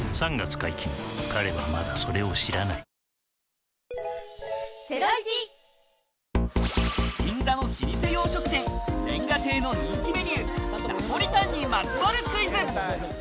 「お椀で食べるシリーズ」銀座の老舗洋食店、煉瓦亭の人気メニュー、ナポリタンにまつわるクイズ。